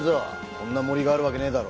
こんな森があるわけねえだろ